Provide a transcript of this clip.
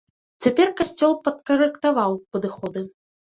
Цяпер касцёл падкарэктаваў падыходы.